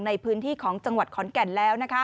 ในพื้นที่ของจังหวัดขอนแก่นแล้ว